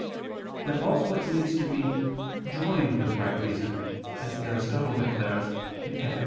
]; but also it needs to be "joined with right reason," as Aristotle declares (Ethic.